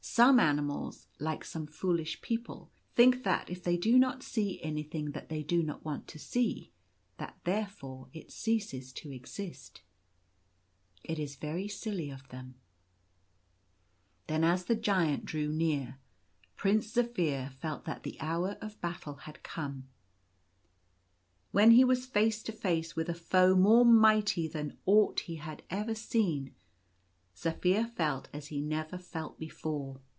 Some animals, Preparing for the Battle. 35 like some foolish people, think that if they do not see anything that they do not want to see, that therefore it ceases to exist. It is very silly of them. Then, as the Giant drew near, Prince Zaphir felt that the hour of battle had come. When he was face to face with a foe more mighty than aught he had ever seen, Zaphir felt as he never felt before.